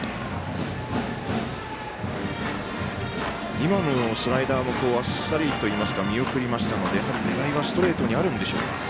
今のスライダーもあっさりといいますか見送りましたので狙いはストレートにあるんでしょうか。